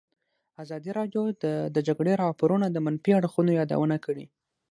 ازادي راډیو د د جګړې راپورونه د منفي اړخونو یادونه کړې.